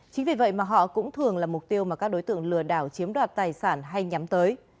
chính vì vậy mà họ cũng thường là mục tiêu mà các đối tượng lừa đảo chiếm đoạt tài sản hay nhắm tới